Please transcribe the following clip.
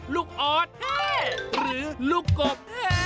ออสหรือลูกกบ